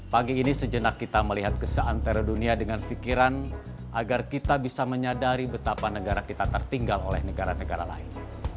pagi ini sejenak kita melihat ke seantero dunia dengan pikiran agar kita bisa menyadari betapa negara kita tertinggal oleh negara negara lain